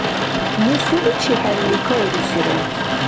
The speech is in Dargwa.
Ну селичи хӀерли кайрусира?